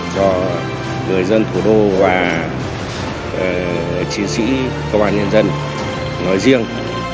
cho người dân thủ đô và chiến sĩ công an nhân dân nói riêng